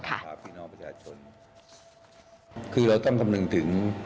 คือเราต้องคำนึงถึง